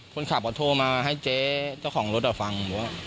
คนขับก็โทรมาให้เจ๊เจ้าของรถอ่ะฟัง